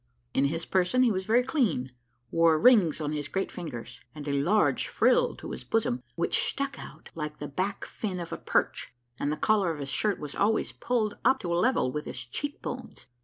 In his person he was very clean, wore rings on his great fingers, and a large frill to his bosom, which stuck out like the back fin of a perch, and the collar of his shirt was always pulled up to a level with his cheek bones.